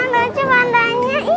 wah lucu pandanya